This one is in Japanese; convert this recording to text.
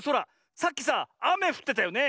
さっきさあめふってたよね。